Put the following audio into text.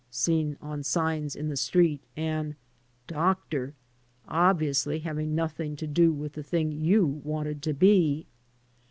(seen on signs in the street), and "Dr." (obviously having nothing to do with the thing you wanted to be).